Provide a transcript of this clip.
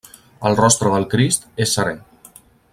El rostre del Crist és serè.